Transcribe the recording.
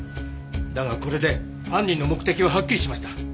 だがこれで犯人の目的ははっきりしました。